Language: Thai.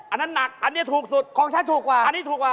อันนั้นหนักอันนี้ถูกสุดของฉันถูกกว่าอันนี้ถูกกว่า